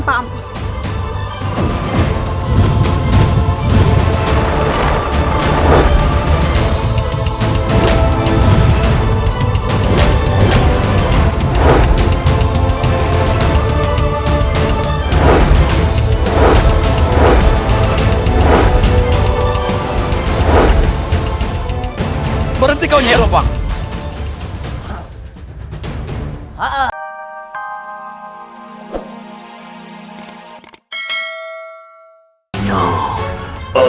berhenti kau nyerepang